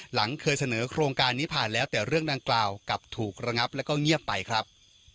หลังเคยเสนอโครงการนี้ผ่านแล้วแต่เรื่องดังกล่าวกลับถูกระงับแล้วก็เงียบไปครับ